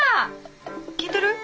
聞いとる？